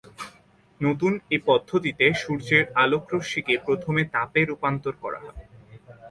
নতুন এ পদ্ধতিতে সূর্যের আলোক রশ্মিকে প্রথমে তাপে রূপান্তর করা হয়।